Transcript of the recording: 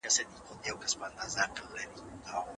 کوم اپلیکیشن ستا لپاره ډېر په زړه پوري دی؟